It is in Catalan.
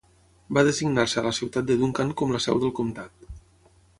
Va designar-se a la ciutat de Duncan com la seu del comtat.